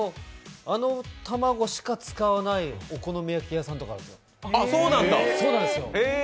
あの卵しか使わないお好み焼き屋さんとかあるんですよ。